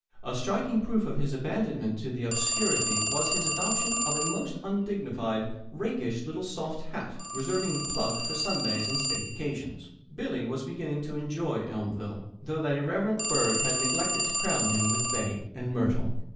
A striking proof of his abandonment to obscurity was his adoption of a most undignified, rakish, little soft hat, reserving the "plug" for Sundays and state occasions. Billy was beginning to enjoy Elmville, though that irreverent burgh had neglected to crown him with bay and myrtle.